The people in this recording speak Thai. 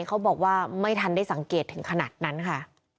เขาบอกว่าไม่ทันได้สังเกตถึงขนาดนั้นค่ะ